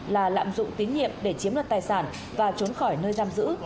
là lạm dụng tín nhiệm để chiếm đoạt tài sản và trốn khỏi nơi giam giữ